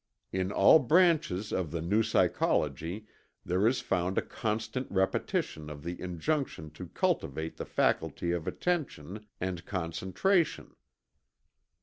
In all branches of The New Psychology there is found a constant repetition of the injunction to cultivate the faculty of attention and concentration.